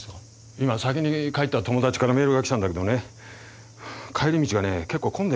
今先に帰った友達からメールが来たんだけどね帰り道がね結構混んでるんだ。